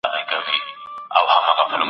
انسان ته په اسلام کي بشپړ حقوق ورکړل سوي دي.